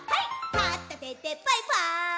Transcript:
「かったてでバイバーイ！！」